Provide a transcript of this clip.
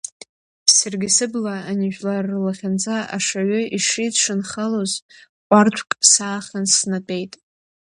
Саргьы сыбла, ани жәлар рлахьынҵа ашаҩы ишидшанхалоз, ҟәардәык саахан снатәеит.